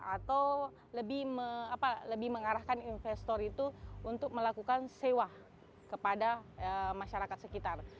atau lebih mengarahkan investor itu untuk melakukan sewa kepada masyarakat sekitar